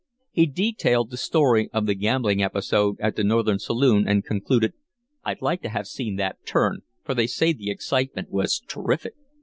He detailed the story of the gambling episode at the Northern saloon, and concluded: "I'd like to have seen that 'turn,' for they say the excitement was terrific.